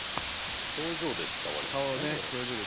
表情で伝わりますねこれ。